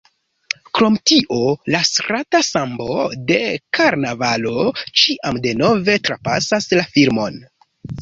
Krom tio la strata sambo de karnavalo ĉiam denove trapasas la filmon.